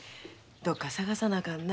どっか探さなあかんな。